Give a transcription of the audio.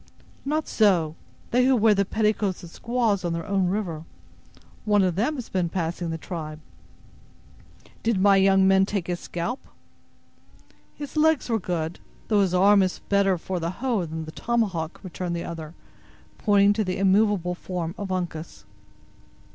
"Not so. They who wear the petticoats of squaws, on their own river. One of them has been passing the tribe." "Did my young men take his scalp?" "His legs were good, though his arm is better for the hoe than the tomahawk," returned the other, pointing to the immovable form of Uncas.